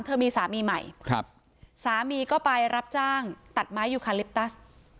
เธอมีสามีใหม่ครับสามีก็ไปรับจ้างตัดไม้ยูคาลิปตัส